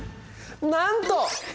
なんと！